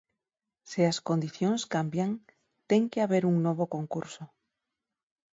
Se as condicións cambian, ten que haber un novo concurso.